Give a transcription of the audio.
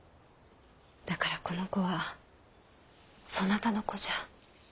だからこの子はそなたの子じゃ。